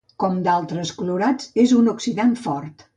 Com d'altres clorats, és un oxidant fort.